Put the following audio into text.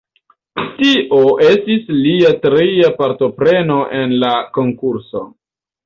Tio estis lia tria partopreno en la konkurso.